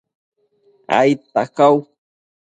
aidta cau